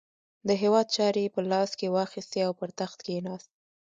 د هیواد چارې یې په لاس کې واخیستې او پر تخت کښېناست.